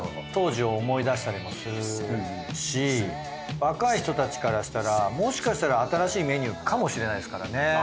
当時を思い出したりもするし若い人たちからしたらもしかしたら新しいメニューかもしれないですからね。